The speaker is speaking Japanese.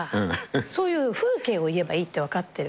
そういう風景を言えばいいって分かってるから。